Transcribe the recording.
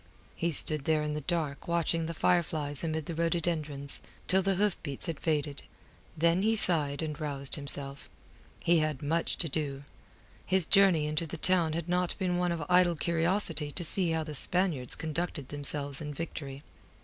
He stood there in the dark watching the fireflies amid the rhododendrons, till the hoofbeats had faded. Then he sighed and roused himself. He had much to do. His journey into the town had not been one of idle curiosity to see how the Spaniards conducted themselves in victory.